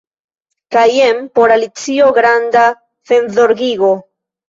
Kaj jen por Alicio granda senzorgigo.